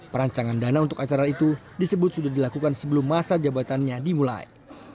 perancangan dana untuk acara itu disebut sudah dilakukan sebelum masa jabatannya dimulai